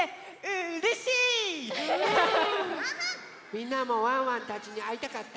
みんなもワンワンたちにあいたかった？